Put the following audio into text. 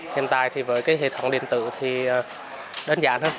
hiện tại thì với cái hệ thống điện tử thì đơn giản hơn